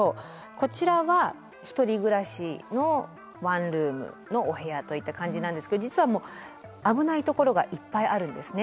こちらは一人暮らしのワンルームのお部屋といった感じなんですけど実はもう危ないところがいっぱいあるんですね。